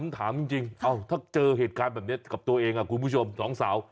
ถามจริงถ้าเจอเหตุการณ์แบบนี้กับตัวเองคุณผู้ชมสองสาว